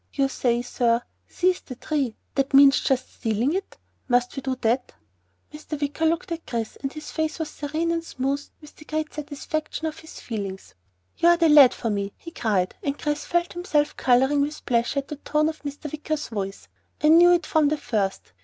"You say, sir, 'Seize the Tree.' That means just stealing it? Must we do that?" Mr. Wicker looked at Chris and his face was serene and smooth with the great satisfaction of his feelings. "You are the lad for me!" he cried, and Chris felt himself coloring with pleasure at the tone of Mr. Wicker's voice. "I knew it from the first!